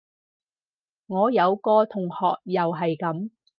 我有個同學又係噉